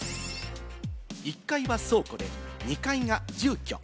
１階は倉庫で２階が住居。